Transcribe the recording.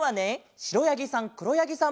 しろやぎさんくろやぎさん。